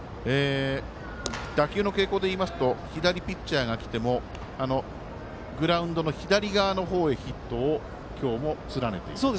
打球の傾向でいいますと左ピッチャーがきてもグラウンドの左側の方へヒットを今日は連ねている。